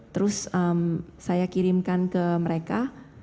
terus saya kirimkan ke mereka